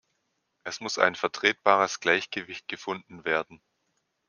Es muss ein vertretbares Gleichgewicht gefunden werden.